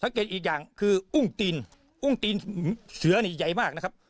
เกตอีกอย่างคืออุ้งตีนอุ้งตีนเสือนี่ใหญ่มากนะครับ